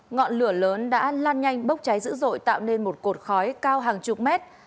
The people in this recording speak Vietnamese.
ngọn lửa lớn đã lan nhanh bốc cháy dữ dội tạo nên một cột khói cao hàng chục mét